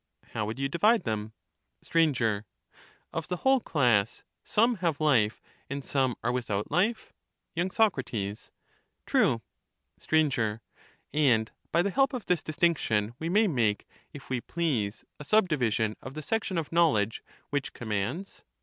How would you divide them ? Str. Of the whole class, some have life and some are without life. y. Sac. True, Str. And by the help of this distinction we may make, if we please, a subdivision of the section of knowledge which commands.